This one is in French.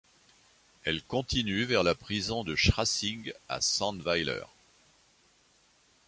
Elle continue vers la prison de Schrassig à Sandweiler.